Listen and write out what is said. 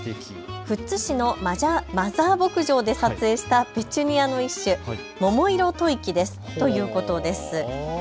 富津市のマザー牧場で撮影したペチュニアの一種、桃色吐息ですということです。